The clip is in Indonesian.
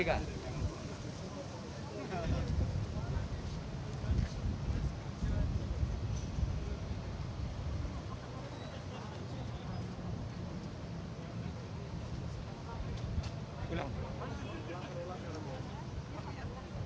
ini komang putrika